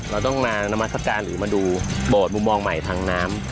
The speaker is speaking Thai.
เราต้องมานามัศกาลหรือมาดูโบสถมุมมองใหม่ทางน้ำ